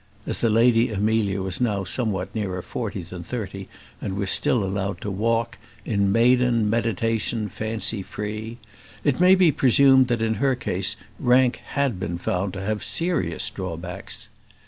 As the Lady Amelia was now somewhat nearer forty than thirty, and was still allowed to walk, "In maiden meditation, fancy free," it may be presumed that in her case rank had been found to have serious drawbacks.